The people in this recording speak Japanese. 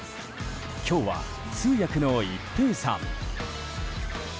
今日は通訳の一平さん。